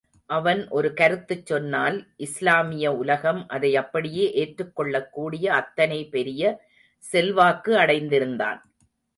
அவன் ஒரு கருத்துச் சொன்னால் இஸ்லாமிய உலகம் அதை அப்படியே ஏற்றுக் கொள்ளக்கூடிய அத்தனை பெரிய செல்வாக்கு அடைந்திருந்தான்.